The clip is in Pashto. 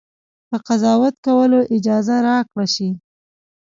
که قضاوت کولو اجازه راکړه شي.